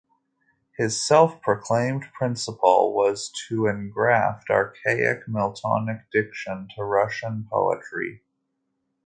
His self-proclaimed principle was to engraft "archaic Miltonic diction" to Russian poetry.